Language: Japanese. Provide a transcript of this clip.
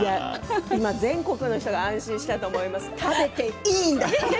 全国の人が安心したと思います。